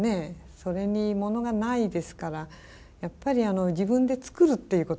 それにモノがないですからやっぱり自分で作るっていうこと。